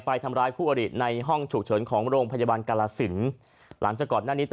ทำร้ายคู่อริในห้องฉุกเฉินของโรงพยาบาลกาลสินหลังจากก่อนหน้านี้